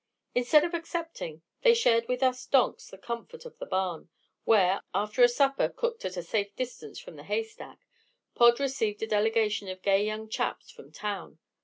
Instead of accepting, they shared with us donks the comforts of the barn, where, after a supper, cooked at a safe distance from the hay stack, Pod received a delegation of gay young chaps from town.